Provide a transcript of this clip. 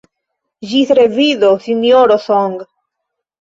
Ĝis revido, Sinjoro Song.